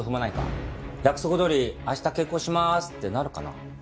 約束どおり明日結婚しまーすってなるかな？